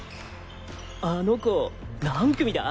あの子何組だ？